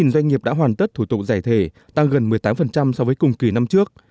chín mươi doanh nghiệp đã hoàn tất thủ tục giải thể tăng gần một mươi tám so với cùng kỳ năm trước